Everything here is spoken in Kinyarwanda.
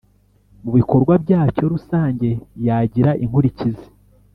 mu bikorwa byacyo rusange yagira inkurikizi.